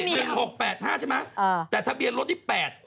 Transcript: ๑๖๘๕ใช่ไหมแต่ทะเบียนรถที่๘๖๓๕